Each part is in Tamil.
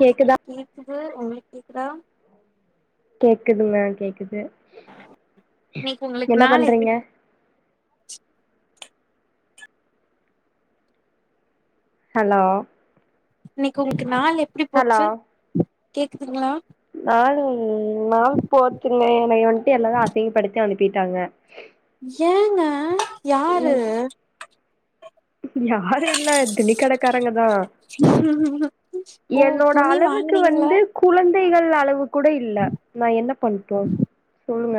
கேக்குதா கேக்குது உங்ளுக்கு கேக்குதா கேக்குதுங்க கேக்குது இன்னைக்கி உங்ளுக்கு என்ன நாள் எப்டி பண்றீங்க ஹலோ இன்னைக்கு உங்ளுக்கு நாள் எப்டி போச்சு கேக்குதுங்ளா நாளு நாள் போத்துங்க எனைய வன்ட்டு எல்லாரு அசிங்கப்படுத்தி அனுப்பிட்டாங்க ஏங்க யாரு ம் யாரு இல்ல துணி கடைக்காரங்கதா ஓ என்னோட துணி அளவுக்கு வாங்குனீங்களா வந்து குழந்தைகள் அளவு கூட இல்ல நா என்ன பண்ட்டு சொல்லுங்க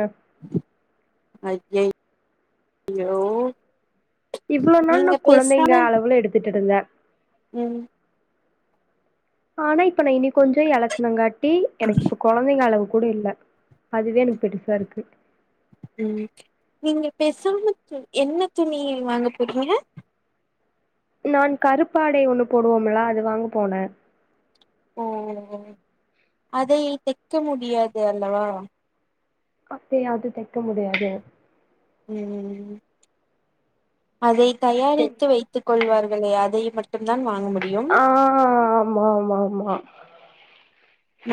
அய்யய் யோ இவ்ளோ நாள் நா குழந்தைங்க அளவுல எடுத்துட்ருந்தே ம் ஆனா இப்ப நா இனி கொஞ்ச எலச்சனங்காட்டி எனக்கு இப்போ கொழந்தைங்க அளவு கூட இல்ல அதுவே எனக்கு பெருசா இருக்கு ம் நீங்க பெசங்ளுக்கு என்ன துணி வாங்க போறீங்க நான் கருப்பாடை ஒண்ணு போடுவோம்ல அது வாங்க போன ஓ அதை தைக்க முடியாது அல்லவா அப்டியா அது தைக்க முடியாது ம் அதை தயாரித்து வைத் துக் கொள்வார்களே அதை மட்டு தான் வாங்க மு ஆ ஹ ஹ ஆமா ஆமா ஆமா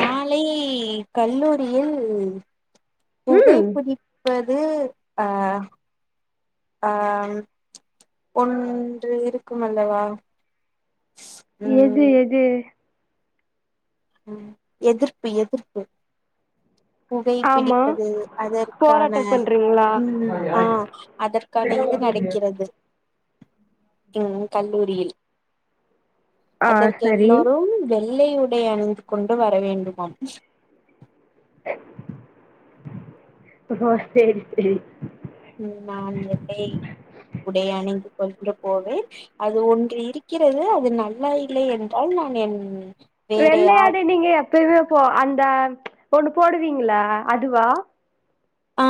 நாளை கல்லூரியில் ம் புகைபுடிப் பது அ ஆ ஒன்று இருக்குமல்லவா எது எது ம் எதிர்ப்பு எதிர்ப்பு புகை ஆமா பிடிப்பது அதற்கான போராட்டம் பண்றீங்களா ம் ஆ அதற்க் கான இது நடக்கிறது ம் கல்லூரியில் ஆ அதற்கு சரி எல்லோரும் வெள்ளை உடை அணிந்து கொண்டு வர வேண்டுமாம் ஓஓ சேரி சேரி ம் நான் நெல்லை உடையானைக்கு கொண்டு போவேன் அது ஒன்று இருக்கிறது அது நல்லா இல்லை என்றால் நான் என் வேற யார் வெள்ளையாடை நீங்க எப்பயுமே போ அந்த ஒண்ணு போடுவீங்கள்ளா அதுவா ஆ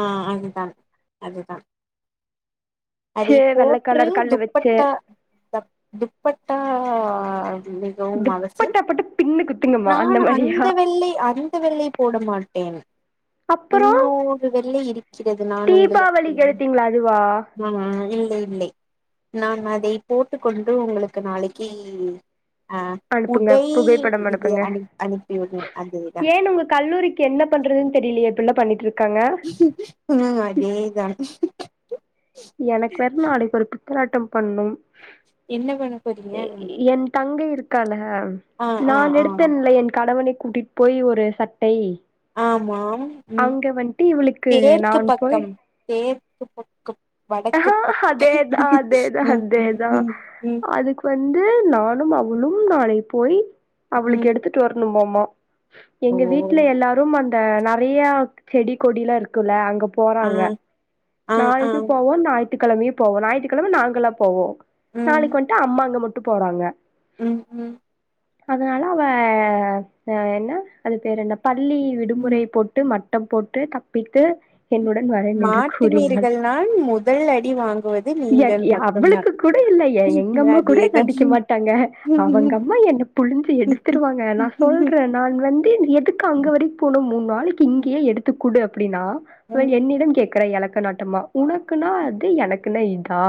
ஆ அதுதான் அதுதான் அதை சே வெள்ள போற்று கலர் கல்லு வச்சு துப்பட்டா த துப்பட்டா அதுவே மிகவும் அவசியம் துப்பட்டாப்பட்டு பின்னு குத்துங்கம்மா நான் மாரியா அந்த வெள்ளை அந்த வெள்ளை போட மாட்டேன் இன்னோரு வெள்ளை இருக்கிறதுனா தீபாவளிக்கி எடுத்தீங்ள அதுவா ம்ம் அது இல்லை இல்லை நான் அதை போட்டுக் கொண்டு உங்களுக்கு நாளைக்கி அ அனுப்புங்க உடை புகைப்படம் இது அனுப் அனுப்பி விடு அதுதா இன்னு உங்க கல்லூரிக் என்ன பண்றதுன்னு தெரியிலையே இப்பில்லா பண்ணிட்ருக்காங்க ம் அதேதா எனக்கு வேற நாளைக்கி ஒரு பித்தலாட்டம் பண்ணும் என்ன பண்ண போறீங்க எ என் தங்கை இரு க்கால ஆ ஆ நான் ஆ எடுத்தேன்ல என் கணவனை கூட்டிட்டு போய் ஒரு சட்டை ஆமாம் ம் அங்க வந்துட்டு இவளுக்கு தேர்கு நான் போய் பக்கம் தேர்கு பக்கம் வடக்கு ஆஹா பக்கம் அதேதா அதேதா ம் ம் அதேதா ம் ம் அதுக்கு வந்து நானும் அவளும் நாளை போய் அவளுக்கு ம் எடுத்துட்டு வரணும்மாமா ஓ எங்க வீட்டுல எல்லாரும் அந்த நறையா செடி கொடிலா இருக்குல அங்க ஆ போறாங்க ஆ ஆ நாளைக்கி போவோ நாயித்துக்கெழமையு போவோ நாயித்துக்கெழமை நாங்கெல்லாம் போவோ ம் நாளைக்கு வந்ட்டு அம்மாங்க மட்டு போறாங்க ம் ம் அதனால அவ என்ன அது பேரு என்ன பள்ளி ம் விடுமுறை போட்டு மட் டம் போட்டு தப்பித்து என்னுடன் வரேன் என்று கூறினாள் மாட்டினீர்கள் நான் முதல் அடி வாங்குவது ஏன் நீங்கள் ஏ மட்டும்தான் அவளுக்கு கூட இல்ல ஏன் எங்க அம்மா கூட என்ன அதேதான் அடிக்க மாட்டாங்க அவுங்க ம் அம்மா என்ன புழிஞ்சு எடுத்துருவாங்க நா சொல்றேன் நான் வந்து எதுக்கு அங்க வரைக்கும் போனும் மூண் நாளைக்கி இங்கேயே எடுத்துக்குடு அப்டின்னா இப்ப என்னிடம் கேக்குறா எலக்க நாட்டமா உனக்குனா அது எனக்குன்னா இதா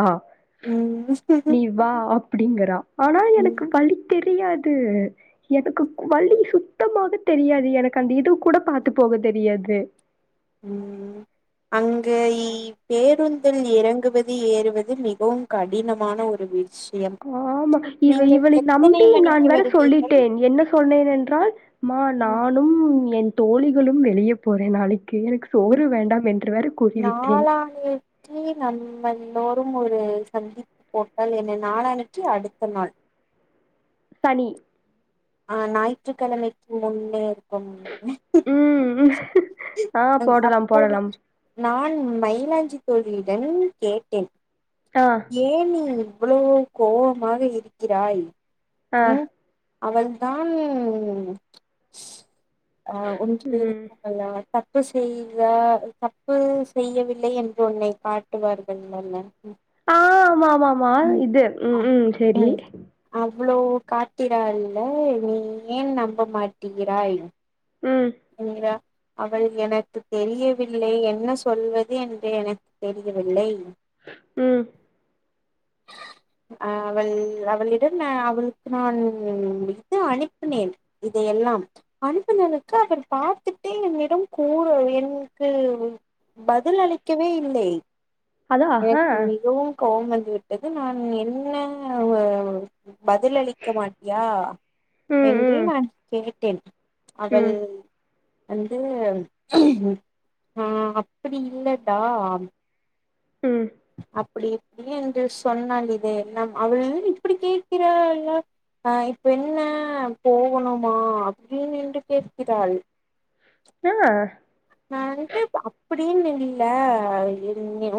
நீ வா அப்டிங்கறா ஆனா எனக்கு வழி தெரியாது எனக்கு வழி சுத்தமாவே தெரியாது எனக்கு அந்த இது கூட பார்த்து போக தெரியாது ம் அங்கை பேருந்தில் இறங்குவது ஏறுவது மிகவும் கடினமான ஒரு வீச் ஆம்மா இவ இவளை நம்பி நான் மணிக்கு வேற வருவீர்கள் சொல்லிட்டேன் என்ன சொன்னேன் என்றால் மா ம், நானும் என் தோழிகளும் வெளிய போறேன் நாளைக் எனக்கு சோறு வேண்டாம் என்றவர் நாளானி ஏ நம்ம எல்லோரும் ஒரு சந்திப்பு போட்டால் என்ன நாளான்னைக்கி அடுத்த நாள் தனி ஆ ஞாயிற்றுக்கிழமைக்கு முன்னே இருக்கும் ம் ஆ அ- போடலாம் அப்பொழுது போடலாம் நான் மயிலாஜி தோழியுடன் கேட்டேன் ஆ ஏ நீ இவ்வவோ கோவமாக இருக்கிறாய் ஆ அவள் தான் அ ஒன்று ம் இருக்கும்மல்ல தப்பு செய்ய தப்பு செய்யவில்லை என்று உன்னை காட்டுவார்கள் [unintelligible] ஆமாமாமா ம் இது அ ம் ம் சேரி அவ்ளோ காட்டிறால்ல நீ ஏன் நம்ப மாட்டிகிறாய் ம் [unintelligible] அவள் எனக்கு தெரியவில்லை என்ன சொல்வது என்று எனக்கு தெரியவில்லை ம் [inaudible] அ அவள் அவளிடம் ந அவள்க்கு நான் இது அனுப்பினேன் இதையெல்லாம் அனுப்புங்க க அவர் பாத்துட்டே என்னிடம் கூற என்க்கு பதில் அளிக்கவே இல்லை அதா என்க்கு ஆ மிகவும் கோவம் வந்து விட்டது நான்னு என்ன பதிலளிக்க மாட்டியா ம் என்று நான் கேட்டேன் ம் வல் ம் வந்து ஆ அப்படி இல்லடா ம் அப்படி எப்படி என்று சொன்னாள் இது நம் அவள் இப்படி கேட்கிறால்லா அ இப்ப என்ன போகணுமா அப்படின் என்று பேசுகிறாள் ஆ [inaudible] ட்டு அப்படின்னு இல்ல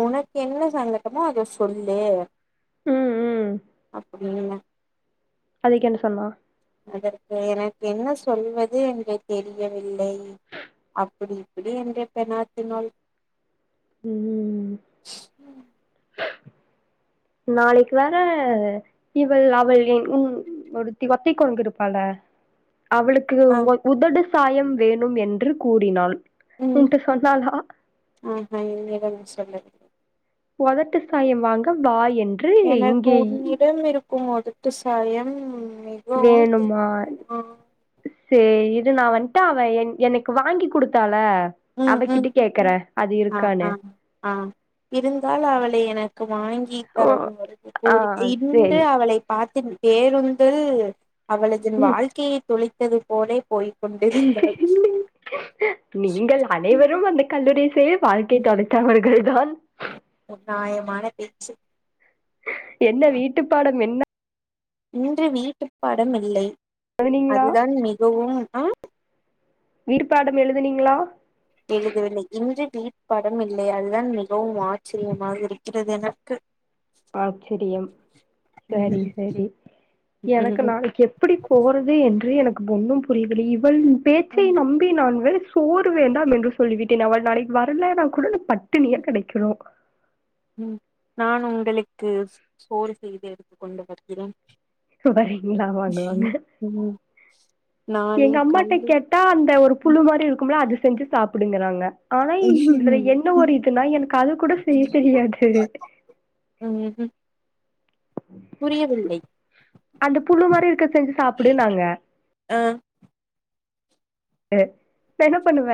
உனக்கு என்ன சங்கட்டமோ அத சொல்லு ம் ம் அப்படில்ல அதுக்கென்ன சொன்னா அதற்கு எனக்கு என்ன சொல்வது என்று தெரியவில்லை அப்படி இப்படி என்று பெனாத்தினாள் ம் நாளைக்கு வேற இவள் அவள் என் உன் ஒருத்தி வத்திக்கொண்டுருப்பால்ல அவளுக் கு ஆ ஒ உதடு சாயம் வேணும் என்று கூறினாள் உன்ட சொன்னாலா அ அ நீ த சொல்லுது ஒதட்டு சாயம் வாங்க வாயன் எனக் உன்னிடம் இருக்கும் ஒதட்டு சாயம் மிகவும் வேணுமா தேவை ஆ சே இரு நா வந்ட்டு அவ என் எனக்கு வாங்கி குடுத் தால ம் அவகிட்ட ம் கேக்கறன் ஆ ஆ ஆ இருந்தால் அவளை எனக்கு வாங்கி ஓ தர ஒரு ஆ கூறி இன்று சேரி அவளை பார்த்த பேருந்தில் அவளதின் ம் வாழ்க்கையை தொளைத்தது போலே போய்க்கொண்டிருந்தாலும் நீங்கள் அனைவரும் அந்த கல்லூரி சை வாழ்க்கை தொலைத்தவர்கள் தான் நாயமான பேச்சு என்ன வீட்டு பாடம் என்ன இன்று வீட்டு பாடம் இல்லை எழுதுனீங்களா அதுதான் மிகவும் அ வீட்டு பாடம் எழுதுனீங்களா எழுதவில்லை இன்று வீட் பாடம் இல்லை அதுதான் மிகவும் ஆச்சரியமாக இருக்கிறது எனக்கு [inaudible] ஆச்சரியம் சரி ம் சரி எனக்கு ம் நாளைக்கு எப்டி போறது என்று எனக்கு ஒன்னும் புரியவிலை இவள் பேச்சை நம் நம்பி நான் வேற சோறு வேண்டாம் என்று சொல்லிவிட்டேன் அவள் நாளைக்கு வரலன்னா கூட நா பட்டினியா கிடைக்கன்னு ம் நான் உங்களுக்கு சோறு செய்து எடுத்து கொண்டு வருகிறேன் வரீங்களா வாங்க வாங்க ம் நாளை எங்க அம்மாட்ட கல்லு கே தா அந்த ஒரு புழு மாரி இருக்கும்ல அது செஞ்சி சாப்புடுங்குறாங்க ஆனா இதுல ம் என்ன ஒரு இதுன்னா எனக்கு அது கூட செய்ய தெரியாது ம் அந்த புழு மாதிரி இருக்க செஞ்சு சாப்டு நாங்க ம் இ நா என்ன பண்ணுவ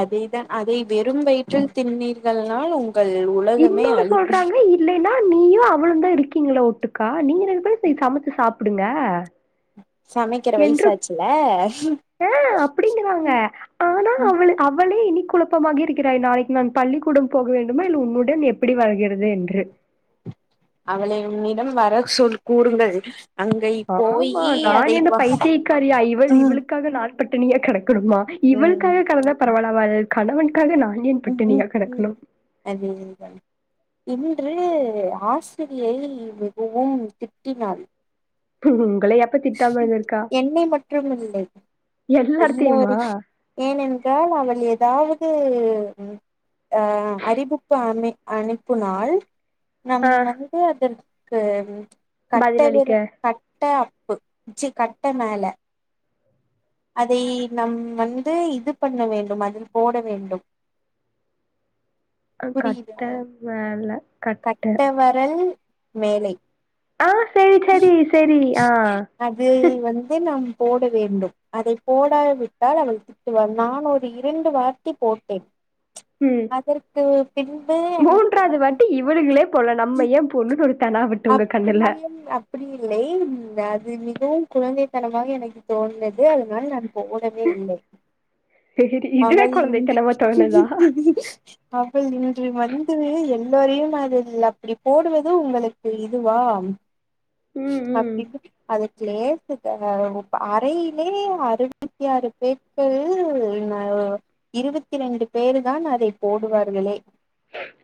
அதேதா அதை வெறும் வயிற்றில் தின்னீர்கள்னால் உங்கள் உள் இன்னொன்னு சொல்றாங்க இப் இல்லைன்னா நீயு அவ்ளவுந்தான் இருக்கீங்கள ஒட்டுக்கா நீங்க ரெண்டு பேரும் போய் சமைச்சு சாப்டுங்க சமைக்கிற வயசாச்சுல ஆஹ் அப்டிங்குறாங்க ஆனா ம் அவளு அவளே இனி குழப்பமாக இருக்கிறாய் நாளைக்கு நான் பள்ளிக்கூடம் போக வேண்டுமா இல்ல உன்னுடன் எப் எப்டி வாழ்கிறது என்று அவளை உன்னிடம் வர சொல் கூறுங்கள் அங்கை ஆமா போயி அதை வா உம் க நாள்பட்டிணியாக கடக்கணுமா இவளுக்காக கடந்தா பரவால அவள் கணவன் கடன்னா என் ம் அது [unintelligible] இன்று ஆசிரியை மிகவும் திட்டினார் உ உங்களை எப்பத்தி என்னை மற்றும் இல்லை எல்லார்த்தையுமா எல்லோரையு ஏனென்றால் அவள் ஏதாவது அ அறிவிப்பு அமை அனுப்பு நாள் நம் ஆ வந்து அதற்கு கட்ட பதிலளிக்க வித கட்ட அப்பு உச்சி கட்ட மேல அதை நம் வந்து இது பண்ண வேண்டும் அதில் போட வேண்டும் அ புரியுதா கட்ட மேல கட்ட கட்டவரல் மேலை ஆ செரி செரி செரி ஆஹ் அது வந்து நாம் போட வேண்டும் அதை போடாவிட்டால் அவள் வ நான் ஒரு இரண்டு வார்த்தை போட்டேன் ம் அதற்கு பின்பு எனக்கு மூன்றாவது ரொம்ப வாட்டி இவளுகளே போல நம்ம ஏ போனுன்டொரு தனா வட்டு உங்க கண்ணுல அப்டி இல்லை அது மிகவும் குழந்தைத்தனமாக எனக்கு தோணது அதனால நான் போடவே இல்லை சரி, இதுவே அவள் குழந்தைத்தனமா தோணுதா [unintelligible] அவள் இன்று வந்து எல்லாரையும் அதில் அப்படி போடுவது உங்களுக்கு இதுவா ம் ம் அப்டினு அத ச்லேசுக்கா [unintelligible] அறையிலே அறுவத்தி ஆறு பேட்கள் ந இருபத்தி ரெண்டு பேரு தான் அதை போடுவார்களே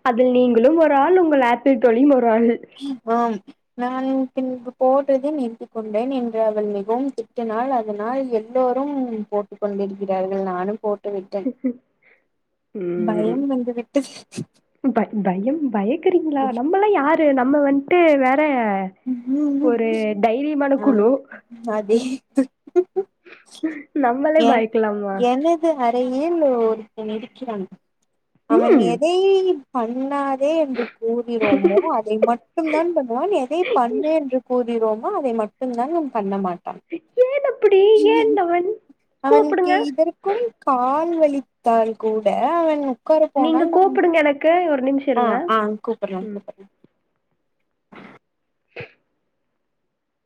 அதில் நீங்களு ஒரு ஆள் உங்கள் ஆப்பிள் தோழியும் ஒரு ஆள்ளு ஓ ம் நான் பின்பு போட்றதை நிறுத்திக் கொண்டேன் என்று அவள் மிகவும் திட்டுனாள் அதனால் என் எல்லோரும் போட்டுக் கொண்டிருக்கிறார்கள் நானும் போட்டு விட்டே ம் ம் பயோ பயக்குறீங்ளா நம் நமல்லா யாரு நம்ம வந்துட்டு வேற ஒரு தைரியமான ஆ குழு அதே நம்மளே எ பயக்கலாமா என்ன அந்த அறையில் ஒருத்தன் இருக்கிறான் அவன் ம் எதை பண்ணா தே என்று கூறிறோமோ அதை மட்டும் தா பண்ணுவா எதை பண்ணு என்று கூறிரோமா அதை மட்டுந்தான் நம் பண்ண மா ஏன் அப்படி ஏன் நவன் அவனுக்கு கூப்புடுங்க இதற்குள் கால் வலித்தால் கூட அவன் உட்கார நீங்க போனால் நம் கூப்புடுங்க எனக்கு ஒரு நிமிஷ் ஆ ஆ கூப்புட்றே கூப்புட்றே